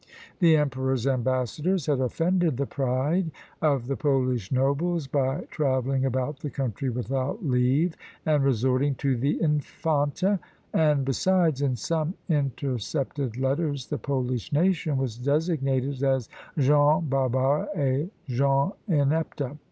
The emperor's ambassadors had offended the pride of the Polish nobles by travelling about the country without leave, and resorting to the infanta; and besides, in some intercepted letters the Polish nation was designated as gens barbara et gens inepta.